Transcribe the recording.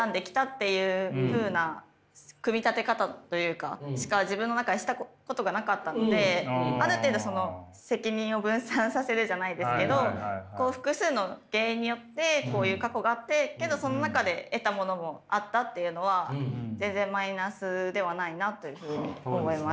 いうふうな組み立て方というかしか自分の中でしたことがなかったのである程度責任を分散させるじゃないですけど複数の原因によってこういう過去があってけどその中で得たものもあったっていうのは全然マイナスではないなというふうに思いました。